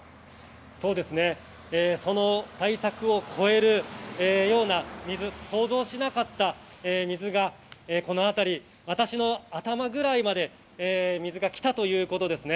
その対策を超えるような、想像しなかった水がこのあたり、私の頭くらいまで水が来たということです。